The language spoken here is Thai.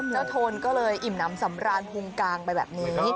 เจ้าโทนก็เลยอิ่มนำสำราญภูมิกลางไปแบบนี้